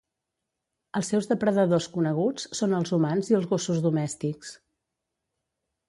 Els seus depredadors coneguts són els humans i els gossos domèstics.